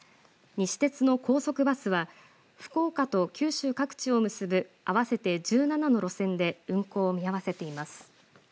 西鉄の高速バスは福岡と九州各地を結ぶ合わせて１７の路線で運行を見合わせています。